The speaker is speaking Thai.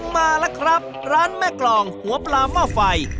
มาแล้วครับร้านแม่กรองหัวปลาหม้อไฟ